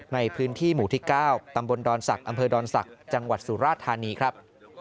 ในพื้นที่หมู่ที่๙ตำบลดอนศักดิ์อำเภอดอนศักดิ์จังหวัดสุราธานีครับ